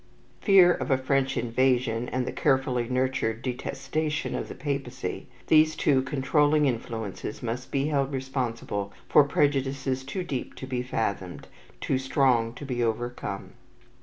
Fear of a French invasion and the carefully nurtured detestation of the Papacy, these two controlling influences must be held responsible for prejudices too deep to be fathomed, too strong to be overcome.